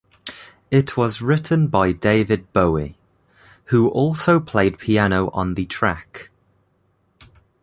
It was written by David Bowie, who also played piano on the track.